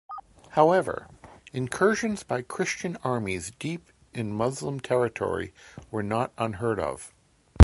However, incursions by Christian armies deep in Muslim territory were not unheard-of.